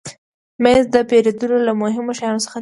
مېز د پیرودلو له مهمو شیانو څخه دی.